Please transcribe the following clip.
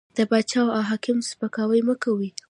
د باچا او حاکم سپکاوی مه کوئ!